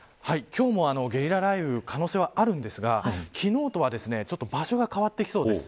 今日もゲリラ雷雨の可能性があるのですが昨日とはちょっと場所が変わってきそうです。